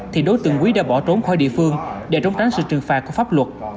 thì đối tượng quý đã bỏ trốn khỏi địa phương để trốn tránh sự trừng phạt của pháp luật